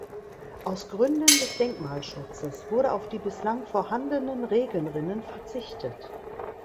Aus Gründen des Denkmalschutzes wurde auf die bislang vorhandenen Regenrinnen verzichtet.